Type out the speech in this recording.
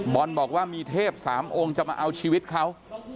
บอกว่ามีเทพสามองค์จะมาเอาชีวิตเขา